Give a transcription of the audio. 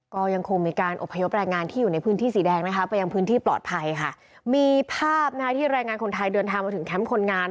ก็ยังคงมีการอบพยพแรงงานที่อยู่ในพื้นที่สีแดงนะคะไปยังพื้นที่ปลอดภัยค่ะมีภาพนะคะที่แรงงานคนไทยเดินทางมาถึงแคมป์คนงาน